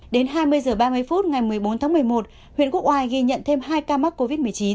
đến hai mươi h ba mươi phút ngày một mươi bốn tháng một mươi một huyện quốc oai ghi nhận thêm hai ca mắc covid một mươi chín